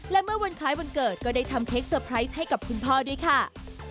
และเมื่อวันคล้ายวันเกิดก็ได้ทำเค้กเซอร์ไพรส์ให้กับคุณพ่อด้วยค่ะ